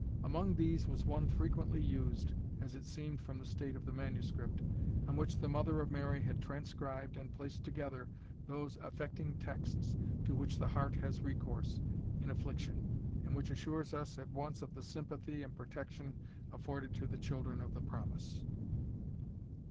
Among these was one frequently used, as it seemed from the state of the manuscript, on which the mother of Mary had transcribed and placed together those affecting texts to which the heart has recourse, in affliction, and which assures us at once of the sympathy and protection afforded to the children of the promise.